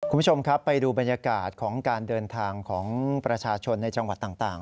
คุณผู้ชมครับไปดูบรรยากาศของการเดินทางของประชาชนในจังหวัดต่าง